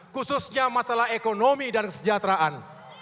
khususnya masalah ekonomi dan kesejahteraan